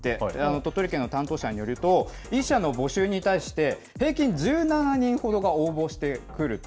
鳥取県の担当者によると、自社の募集に対して、平均１７人ほどが応募してくると。